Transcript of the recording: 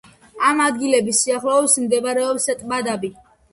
ამ ადგილების სიახლოვეს მდებარეობს ტბა დაბი.